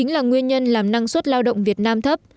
chính là nguyên nhân làm năng suất lao động việt nam thấp